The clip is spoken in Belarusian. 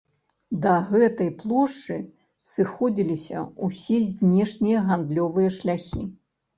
Да гэтай плошчы сыходзіліся ўсе знешнія гандлёвыя шляхі.